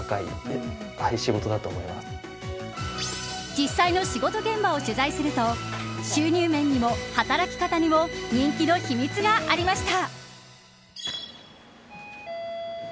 実際の仕事現場を取材すると収入面にも働き方にも人気の秘密がありました。